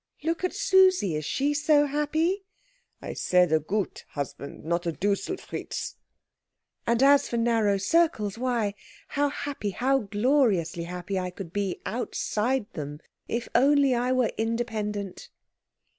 "Look at Susie is she so happy?" "I said a good husband; not a Duselfritz." "And as for narrow circles, why, how happy, how gloriously happy, I could be outside them, if only I were independent!"